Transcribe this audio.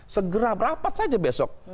segera rapat saja besok